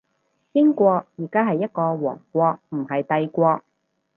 英國而家係一個王國，唔係帝國